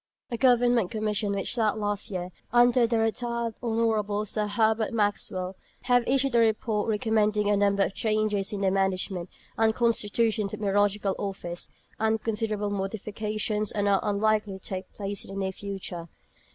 A Government Commission which sat last year, under the Rt. Hon. Sir Herbert Maxwell, Bart., have issued a Report, recommending a number of changes in the management and constitution of the Meteorological Office; and considerable modifications are not unlikely to take place in the near future.